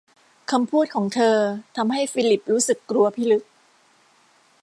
คำพูดของเธอ ทำให้ฟิลิปรู้สึกกลัวพิลึก